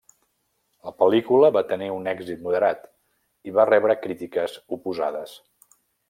La pel·lícula va tenir un èxit moderat i va rebre crítiques oposades.